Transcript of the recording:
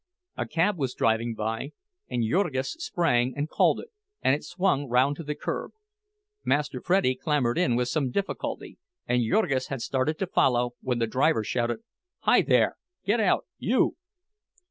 A cab was driving by; and Jurgis sprang and called, and it swung round to the curb. Master Freddie clambered in with some difficulty, and Jurgis had started to follow, when the driver shouted: "Hi, there! Get out—you!"